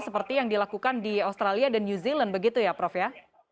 seperti yang dilakukan di australia dan new zealand begitu ya prof ya